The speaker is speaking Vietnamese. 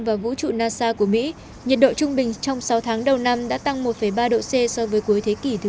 và vũ trụ nasa của mỹ nhiệt độ trung bình trong sáu tháng đầu năm đã tăng một ba độ c so với cuối thế kỷ thứ một